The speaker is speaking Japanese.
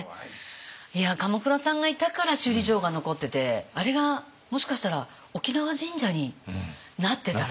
鎌倉さんがいたから首里城が残っててあれがもしかしたら沖縄神社になってたら。